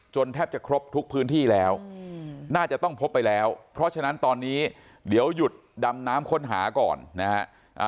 แทบจะครบทุกพื้นที่แล้วน่าจะต้องพบไปแล้วเพราะฉะนั้นตอนนี้เดี๋ยวหยุดดำน้ำค้นหาก่อนนะฮะ